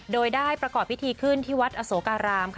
โดยได้ประกอบพิธีขึ้นที่วัดอโสการาม